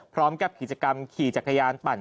พร้อมกับกิจกรรมขี่จักรยานปั่น